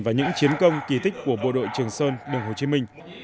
và những chiến công kỳ tích của bộ đội trường sơn đường hồ chí minh